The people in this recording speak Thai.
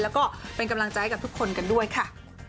แล้วก็เป็นกำลังใจกับทุกคนกันด้วยค่ะ